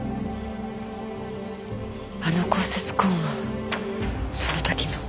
あの骨折痕はその時の。